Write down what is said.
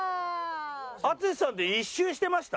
淳さんって１周してました？